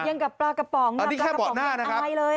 อย่างกับปลากระป๋องอะไรเลย